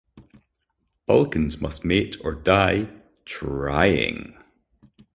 Vulcans must mate or die "trying".